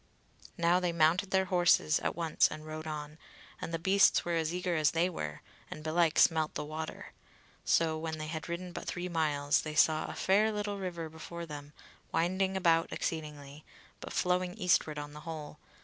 Now they mounted their horses at once and rode on; and the beasts were as eager as they were, and belike smelt the water. So when they had ridden but three miles, they saw a fair little river before them winding about exceedingly, but flowing eastward on the whole.